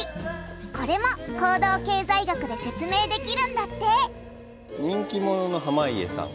これも行動経済学で説明できるんだって人気者の濱家さん